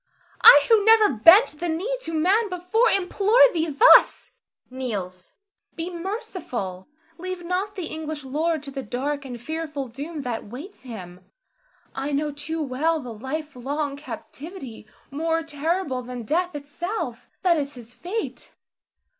I who never bent the knee to man before, implore thee thus [kneels]. Be merciful! Leave not the English lord to the dark and fearful doom that waits him. I know too well the life long captivity, more terrible than death itself, that is his fate.